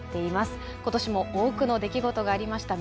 今年も多くの出来事がありました。